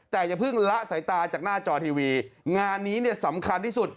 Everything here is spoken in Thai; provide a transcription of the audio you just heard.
แต่อย่าเพิ่งละสายตาจากหน้าจอทีวีงานนี้เนี่ยสำคัญที่สุด